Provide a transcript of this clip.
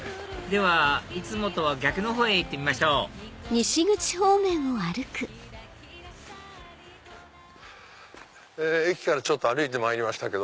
ではいつもとは逆のほうへ行ってみましょう駅からちょっと歩いてまいりました。